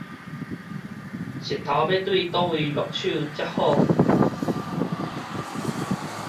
穡頭欲對佗位落手才好？